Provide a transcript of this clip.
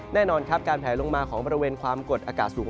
แน่นอนครับการแผลลงมาของบริเวณความกดอากาศสูง